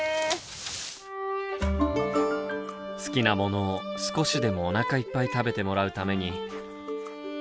好きなものを少しでもおなかいっぱい食べてもらうために。